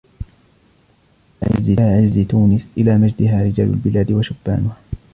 إِلَى عِزِّ تُونِسْ إِلَى مَجْدِهَا رِجَالُ الْبِلَادِ وَشُبَّانُهَا